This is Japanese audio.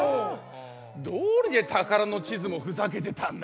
どうりでたからのちずもふざけてたんだ。